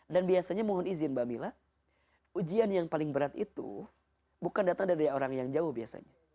dan biasanya mohon izin mbak mila ujian yang paling berat itu bukan datang dari orang yang jauh biasanya